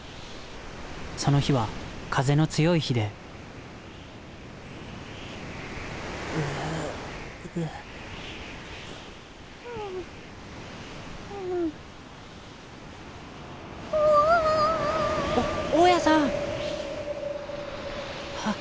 その日は風の強い日でほぁぁあぁ。